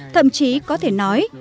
thậm chí có thể nói